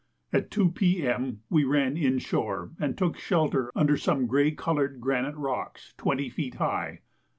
At 2 P.M. we ran inshore, and took shelter under some grey coloured granite rocks twenty feet high.